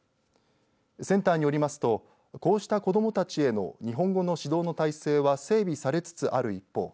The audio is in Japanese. センターによりますとこうした子どもたちへの日本語の指導の体制は整備されつつある一方